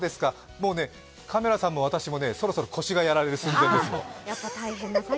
もうね、カメラさんも私もね、そろそろ腰がやられる寸前です。